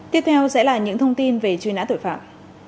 tiếp theo sẽ là những thông tin về truy nã tội phạm